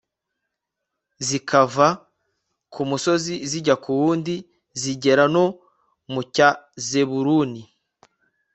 zikava ku musozi zijya ku wundi, zigera no mu cya zebuluni